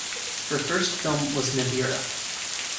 Her first film was Nadira.